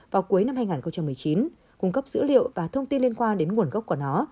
vào cuối năm hai nghìn một mươi chín cung cấp dữ liệu và thông tin liên quan đến nguồn gốc của nó